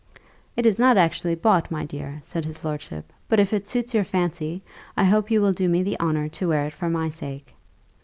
"It is not actually bought, my dear," said his lordship; "but if it suits your fancy, I hope you will do me the honour to wear it for my sake."